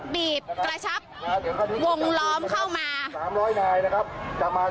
บีบกระชับวงล้อมเข้ามาสามร้อยนายนะครับจะมา